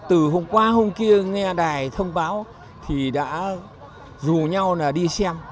từ hôm qua hôm kia nghe đài thông báo thì đã rủ nhau đi xem